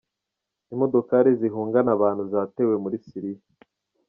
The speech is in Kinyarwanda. Imodokari zihungana abantu zatewe muri Syria .